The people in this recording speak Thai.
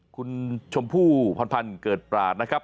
คุณชมพู่พันธ์เกิดปราศนะครับ